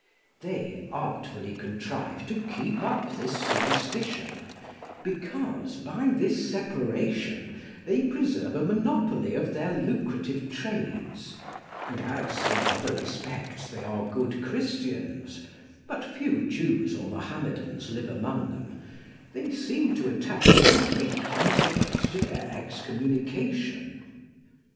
They artfully contrive to keep up this superstition, because by this separation they preserve a monopoly of their lucrative trades, and as in other respects they are good Christians (but few Jews or Mahomedans live among them), they seem to attach no great consequence to their excommunication.